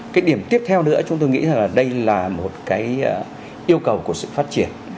cái điểm tiếp theo nữa chúng tôi nghĩ rằng là đây là một cái yêu cầu của sự phát triển